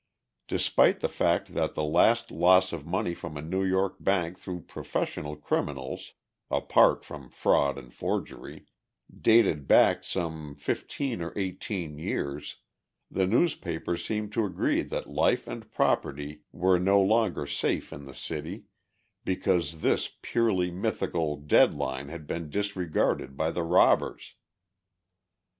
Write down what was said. Despite the fact that the last loss of money from a New York bank through professional criminals (apart from fraud and forgery) dated back some fifteen or eighteen years, the newspapers seemed to agree that life and property were no longer safe in the city because this purely mythical "dead line" had been disregarded by the robbers.